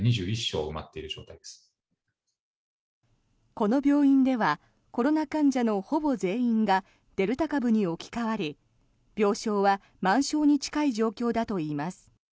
この病院ではコロナ患者のほぼ全員がデルタ株に置き換わり、病床は満床に近い状況だといいます。